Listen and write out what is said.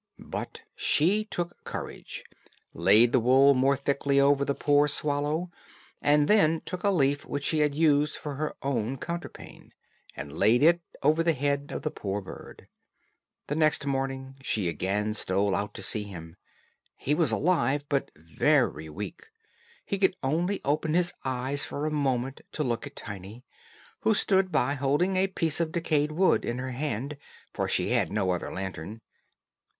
But she took courage, laid the wool more thickly over the poor swallow, and then took a leaf which she had used for her own counterpane, and laid it over the head of the poor bird. The next morning she again stole out to see him. He was alive but very weak; he could only open his eyes for a moment to look at Tiny, who stood by holding a piece of decayed wood in her hand, for she had no other lantern.